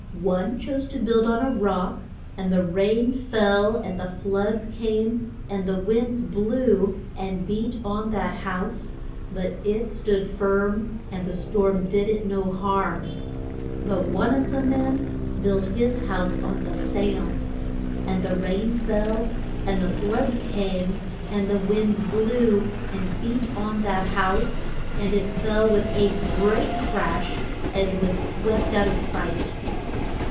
One chose to build on a rock. And the rain fell, and the floods came, and the winds blew and beat on that house, but it stood firm and the storm did it no harm. But one of the men built his house on the sand. And the rain fell, and the floods came, and the winds blew and beat on that house, and it fell with a great crash, and was swept out of sight.